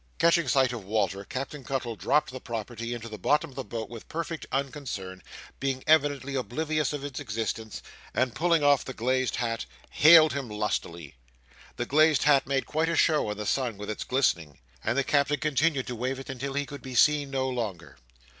Catching sight of Walter, Captain Cuttle dropped the property into the bottom of the boat with perfect unconcern, being evidently oblivious of its existence, and pulling off the glazed hat hailed him lustily. The glazed hat made quite a show in the sun with its glistening, and the Captain continued to wave it until he could be seen no longer.